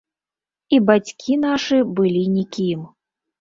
І бацькі нашы былі нікім.